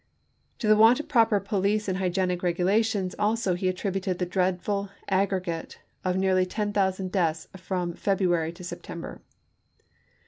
" To the want of proper police and hygienic regu lations also he attributed the dreadful aggregate 1864. of nearly ten thousand deaths from February to September.